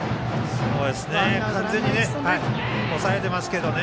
完全に抑えてますけどね。